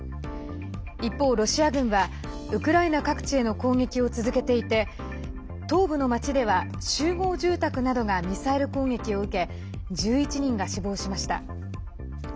一方、ロシア軍はウクライナ各地への攻撃を続けていて東部の町では集合住宅などがミサイル攻撃を受け１１人が死亡しました。